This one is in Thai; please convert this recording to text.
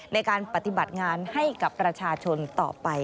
ในการปฏิบัติงานให้กับประชาชนต่อไป